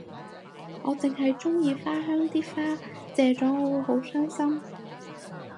我淨係鍾意花香啲花謝咗我會好傷心